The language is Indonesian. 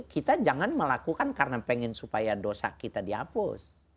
kita jangan melakukan karena pengen supaya dosa kita dihapus